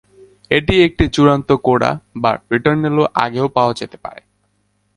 এটি একটি চূড়ান্ত কোডা বা রিটোর্নেলো আগে পাওয়া যেতে পারে।